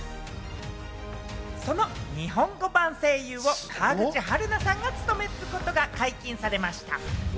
その日本語版声優を川口春奈さんが務めることが解禁されました。